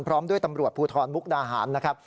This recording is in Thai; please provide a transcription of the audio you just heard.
พร้อมด้วยตำรวจภูทรมุกดาหารนะครับ